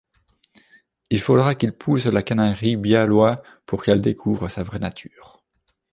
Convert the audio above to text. Il faudra qu'il pousse la canaillerie bien loin pour qu'elle découvre sa vraie nature.